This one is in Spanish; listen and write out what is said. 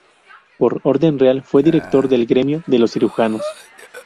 Por orden real fue director del gremio de los cirujanos.